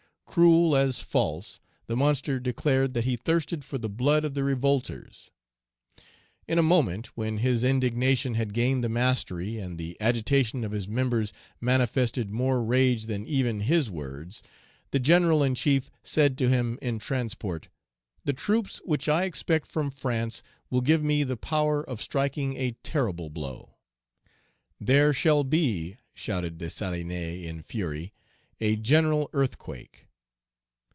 Cruel as false, the monster declared that he thirsted for the blood of the revolters. In a moment when his indignation had gained the mastery, and the agitation of his members manifested more rage than even his words, the General in chief said to him in transport, "The troops which I expect from France will give me the power of striking a terrible blow." "There shall be," shouted Dessalines, in fury, "a general earthquake!"